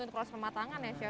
untuk proses pematangan ya chef